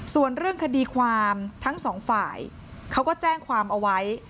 ส่วนเรื่องคดีความทั้งสองฝ่ายเขาก็แจ้งความเอาไว้